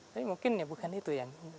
tapi mungkin ya bukan itu yang